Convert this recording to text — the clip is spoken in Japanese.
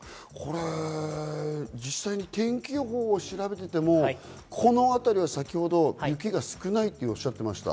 実際に天気予報を調べていても、この辺りは先ほど雪が少ないとおっしゃっていました。